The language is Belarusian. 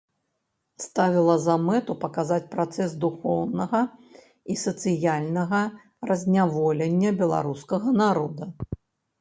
Ставіла за мэту паказаць працэс духоўнага і сацыяльнага разняволення беларускага народа.